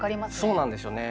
そうなんですよね。